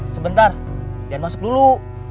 sebentar dia masuk dulu